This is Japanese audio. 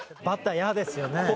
バッターイヤですよね。